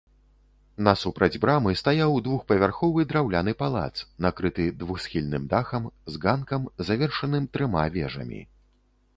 Насупраць брамы стаяў двухпавярховы драўляны палац, накрыты двухсхільным дахам, з ганкам, завершаным трыма вежамі.